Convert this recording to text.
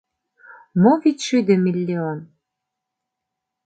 — Мо вичшӱдӧ миллион?